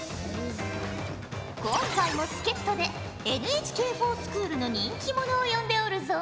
今回も助っ人でＮＨＫｆｏｒＳｃｈｏｏｌの人気者を呼んでおるぞ。